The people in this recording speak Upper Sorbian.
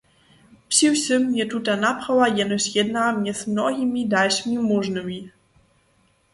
Přiwšěm je tuta naprawa jenož jedna mjez mnohimi dalšimi móžnymi.